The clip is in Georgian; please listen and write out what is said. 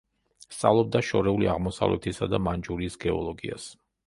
სწავლობდა შორეული აღმოსავლეთისა და მანჯურიის გეოლოგიას.